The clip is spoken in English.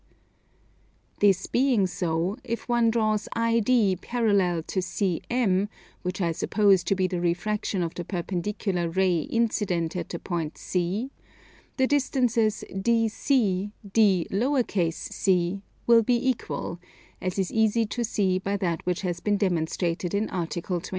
This being so, if one draws ID parallel to CM, which I suppose to be the refraction of the perpendicular ray incident at the point C, the distances DC, D_c_, will be equal, as is easy to see by that which has been demonstrated in Article 28.